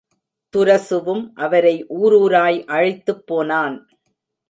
துரசுவும் அவரை ஊரூராய் அழைத்துப் போனான்.